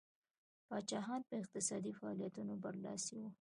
پاچاهان په اقتصادي فعالیتونو برلاسي وو.